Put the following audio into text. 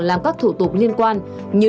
làm các thủ tục liên quan như